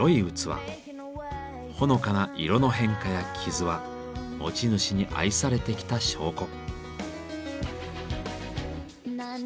ほのかな色の変化や傷は持ち主に愛されてきた証拠。